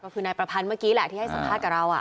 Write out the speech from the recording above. ก็คือนายประพันธ์เมื่อกี้แหละที่ให้สัมภาษณ์กับเรา